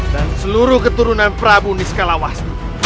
dan seluruh keturunan prabu niskalawas